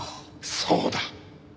そうだ。